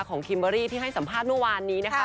คิมเบอรี่ที่ให้สัมภาษณ์เมื่อวานนี้นะคะ